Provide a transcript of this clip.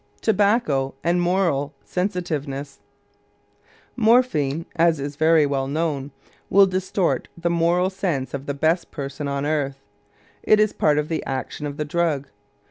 TOBACCO AND MORAL SENSITIVENESS Morphine, as is very well known, will distort the moral sense of the best person on earth; it is part of the action of the drug.